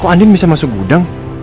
kok andien bisa masuk gudang